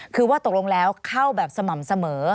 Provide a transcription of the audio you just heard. คือว่าตกลงแล้วเข้าแบบสม่ำเสมอ